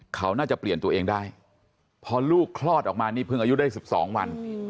เขาน่าจะเปลี่ยนตัวเองได้พอลูกคลอดออกมานี่เพิ่งอายุได้๑๒วัน